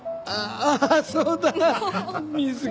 ああ。